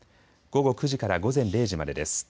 午後９時から午前０時までです。